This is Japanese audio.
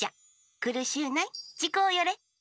くるしゅうないちこうよれ。